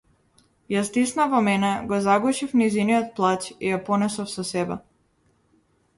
Ја стиснав во мене, го загушив нејзиниот плач и ја понесов со себе.